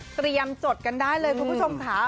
เตรียมจดกันได้เลยคุณผู้ชมค่ะ